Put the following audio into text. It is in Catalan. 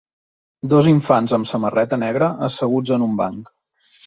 dos infants amb samarreta negra asseguts en un banc